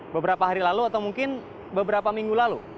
beberapa hari lalu atau mungkin beberapa minggu lalu